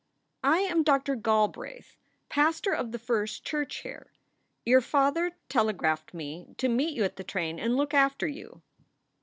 " I am Doctor Galbraith, pastor of the First Church, here. Your father telegraphed me to meet you at the train and look after you."